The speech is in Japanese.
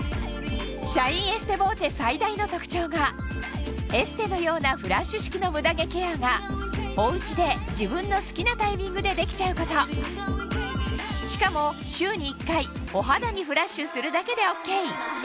シャインエステボーテ最大の特徴がエステのようなフラッシュ式のムダ毛ケアがおうちで自分の好きなタイミングでできちゃうことしかもまず。